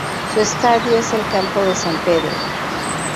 Su estadio es el Campo de San Pedro.